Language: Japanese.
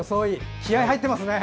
気合い入ってますね。